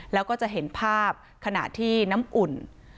แล้วก็จะเห็นภาพขณะที่น้ำอุ่น